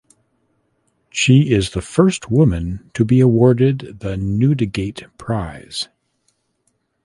She is the first woman to be awarded the Newdigate prize.